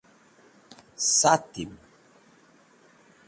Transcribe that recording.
Satim.